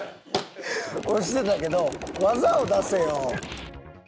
押してたけど技を出せよ。